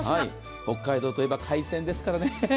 北海道といえば海鮮ですからね。